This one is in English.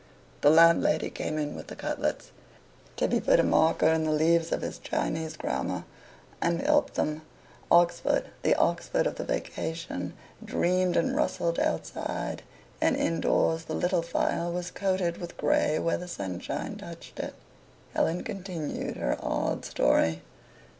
The landlady came in with the cutlets. Tibby put a marker in the leaves of his Chinese Grammar and helped them. Oxford the Oxford of the vacation dreamed and rustled outside, and indoors the little fire was coated with grey where the sunshine touched it. Helen continued her odd story.